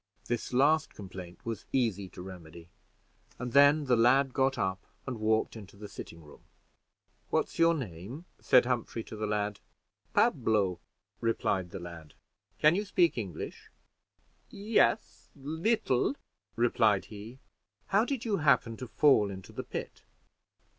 This last complaint was easy to remedy, and then the lad got up, and walked into the sitting room. "What's your name?" said Humphrey to the lad. "Pablo," replied the lad. "Can you speak English?" "Yes, little," replied he. "How did you happen to fall into the pit?"